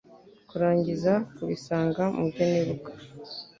kurangiza kubisanga mubyo nibuka